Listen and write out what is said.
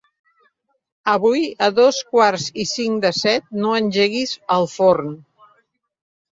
Avui a dos quarts i cinc de set no engeguis el forn.